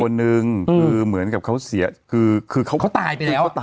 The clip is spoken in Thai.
เด็กคนนึงคือเหมือนกับเค้าเสียเค้าตายไปแล้ว